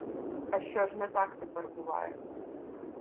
А що ж, не так тепер буває